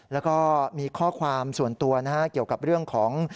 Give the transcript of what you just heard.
แล้วก็มีข้อความส่วนตัวนะฮะเกี่ยวกับเรื่องของ